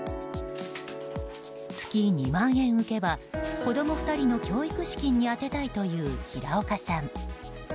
月２万円浮けば子供２人の教育資金に充てたいという平岡さん。